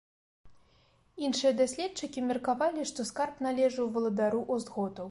Іншыя даследчыкі меркавалі, што скарб належаў валадару остготаў.